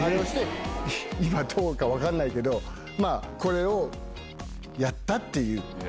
今どうか分かんないけどこれをやった！っていう。